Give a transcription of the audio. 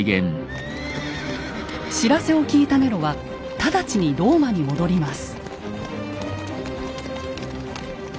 知らせを聞いたネロは直ちにローマに戻ります。